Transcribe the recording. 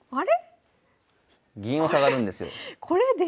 銀を下がるんですよ。